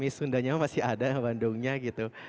ciamisundanyeo masih ada ya bandungnya gitu